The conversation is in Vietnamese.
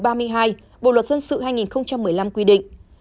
bộ luật dân sự hai nghìn một mươi năm quy định